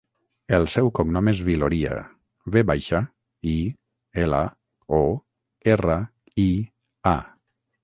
El seu cognom és Viloria: ve baixa, i, ela, o, erra, i, a.